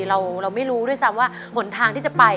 เราไม่รู้ด้วยซ้ำว่าหนทางที่จะไป